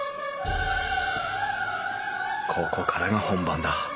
ここからが本番だ。